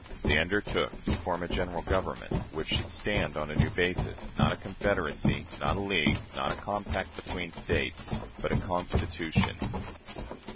They undertook to form a General Government, which should stand on a new basis not a confederacy, not a league, not a compact between States, but a Constitution."